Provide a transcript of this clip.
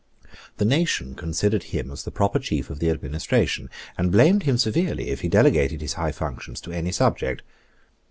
The nation considered him as the proper chief of the administration, and blamed him severely if he delegated his high functions to any subject.